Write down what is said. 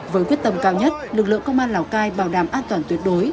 với quyết tâm cao nhất lực lượng công an lào cai bảo đảm an toàn tuyệt đối